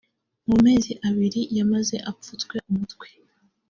mu mezi abiri yamaze apfutswe umutwe